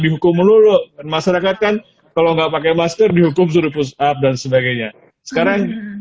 dihukum melulu masyarakat kan kalau nggak pakai masker dihukum suruh push up dan sebagainya sekarang